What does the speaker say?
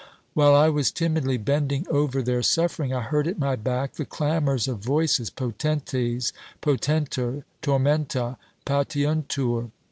While I was timidly bending over their suffering, I heard at my back the clamours of voices, potentes potenter tormenta patiuntur!